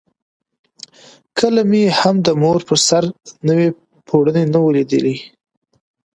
کله مې هم د مور پر سر نوی پوړونی نه وو لیدلی.